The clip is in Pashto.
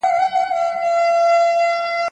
ایا د ټولنپوهنې مواد په سمه توګه ترتیب شوي دي؟